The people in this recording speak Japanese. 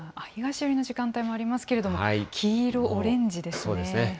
東寄りの時間帯もありますけれども、黄色、オレンジですね。